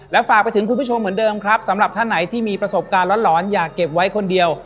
ฝากไปถึงคุณผู้ชมเหมือนเดิมครับสำหรับท่านไหนที่มีประสบการณ์หลอนอยากเก็บไว้คนเดียว